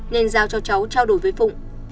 nên giao cho cháu trao đổi với phụng